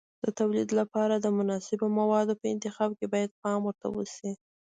د تولید لپاره د مناسبو موادو په انتخاب کې باید پام ورته وشي.